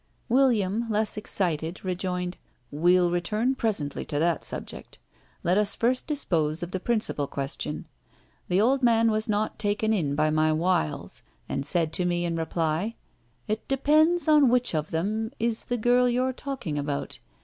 William, less excited, rejoined: "We'll return presently to that subject. Let us first dispose of the principal question. The old man was not taken in by my wiles, and said to me in reply: 'It depends on which of them is the girl you're talking about.